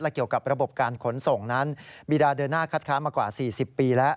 เกี่ยวกับระบบการขนส่งนั้นบีดาเดินหน้าคัดค้านมากว่า๔๐ปีแล้ว